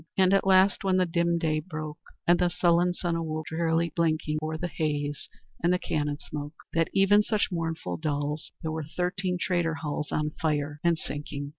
"And at last, when the dim day broke, And the sullen sun awoke, Drearily blinking O'er the haze and the cannon smoke, That even such morning dulls, There were thirteen traitor hulls On fire and sinking!"